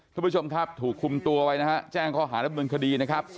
ทุกผู้ชมครับถูกคุมตัวไว้นะฮะแจ้งข้อหาดำเนินคดีนะครับ